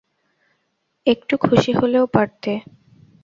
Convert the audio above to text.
একটু খুশি হলেও পারতে।